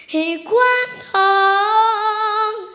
ให้ควรร้อง